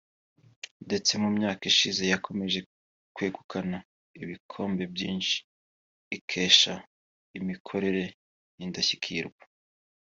ndetse mu myaka ishize yakomeje kwegukana ibikombe byinshi ikesha imikorere y’indashyikirwa